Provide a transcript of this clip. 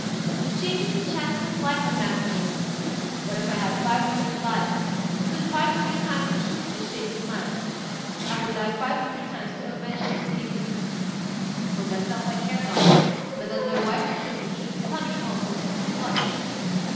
The changes and chances of life are manifold. But if I had five hundred lives, and could five hundred times assume this shape of mine, I would die five hundred times to avenge this iniquity. For myself I care not; but that my wife and children should be punished also is too much.